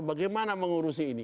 bagaimana mengurusi ini